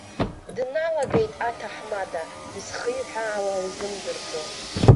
Дналагеит аҭаҳмада, изхиҳәаауа узымдырӡо.